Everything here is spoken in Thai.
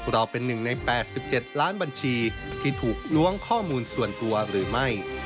เราเป็น๑ใน๘๗ล้านบัญชีที่ถูกล้วงข้อมูลส่วนตัวหรือไม่